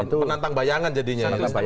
penantang bayangan jadinya